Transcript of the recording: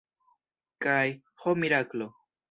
Kaj, ho miraklo!